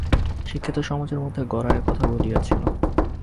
শিক্ষিতসমাজের মধ্যে গোরা এ কথা ভুলিয়াছিল।